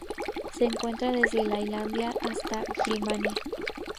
Se encuentra desde la India hasta Birmania.